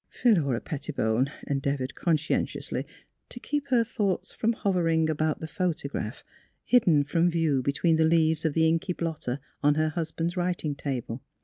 " Philura Pettibone endeavoured conscientiously to keep her thoughts from hovering about the photograph, hidden from view between the leaves of the inky blotter on her husband's writingi table.